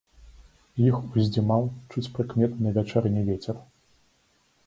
Іх уздзімаў чуць прыкметны вячэрні вецер.